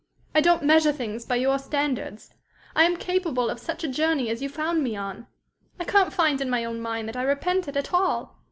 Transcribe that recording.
I don't measure things by your standards. I am capable of such a journey as you found me on. I can't find in my own mind that I repent it at all.